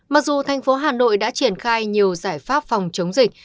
mặc dù thành phố hà nội đã triển khai nhiều giải pháp phòng chống dịch